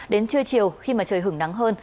đến trưa chiều khi mà trời hửng nắng hơn